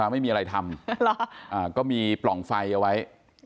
ไม่มีอะไรทำก็มีปล่องไฟเอาไว้